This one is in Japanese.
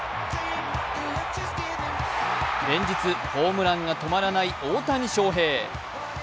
連日ホームランが止まらない大谷翔平。